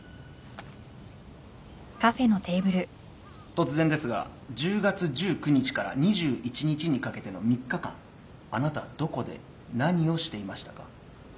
突然ですが１０月１９日から２１日にかけての３日間あなたはどこで何をしていましたか？